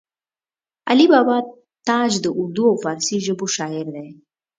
علي بابا تاج د اردو او فارسي ژبو شاعر دی